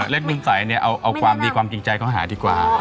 นิ่งใสเนี่ยเอาความดีความจริงใจเขาหาดีกว่า